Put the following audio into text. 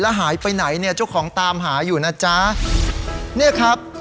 หายไปไหนเนี่ยเจ้าของตามหาอยู่นะจ๊ะเนี่ยครับ